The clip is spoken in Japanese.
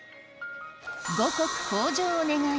五穀豊穣を願い